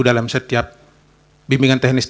dalam setiap bimbingan teknis